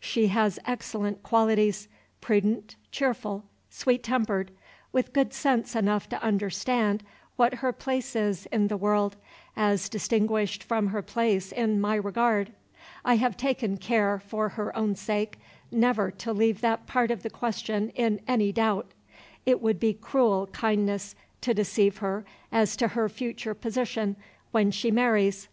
She has excellent qualities prudent, cheerful, sweet tempered; with good sense enough to understand what her place is in the world, as distinguished from her place in my regard. I have taken care, for her own sake, never to leave that part of the question in any doubt. It would be cruel kindness to deceive her as to her future position when she marries.